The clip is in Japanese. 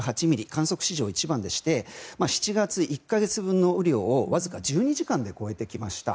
観測史上１位で７月１か月分の雨量をわずか１２時間で超えてきました。